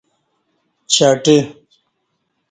چَٹہ